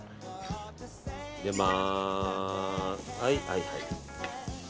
入れます。